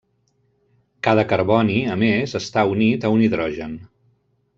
Cada carboni, a més, està unit a un hidrogen.